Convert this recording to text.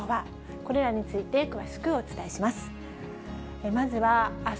これらについて、詳しくお伝えします。